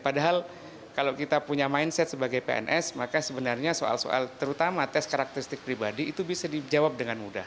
padahal kalau kita punya mindset sebagai pns maka sebenarnya soal soal terutama tes karakteristik pribadi itu bisa dijawab dengan mudah